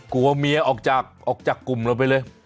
กลัวเมียออกจากออกจากกลุ่มเราไปเลย